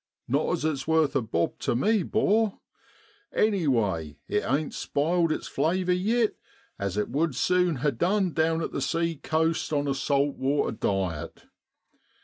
Not as it's worth a bob tu me, 'bor; anyway, it ain't spiled it's flavour yet, as it would sune ha' done down at the sea coast on a salt water diet.